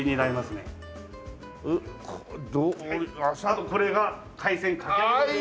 あとこれが海鮮かき揚げ丼です。